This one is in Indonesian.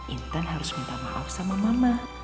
intan harus minta maaf sama mama